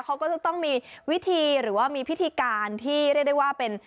เขาก็จะต้องมีวิธีหรือว่ามีพิธีการที่เรียกได้ว่าเป็น